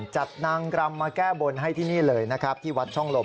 นางรำมาแก้บนให้ที่นี่เลยนะครับที่วัดช่องลม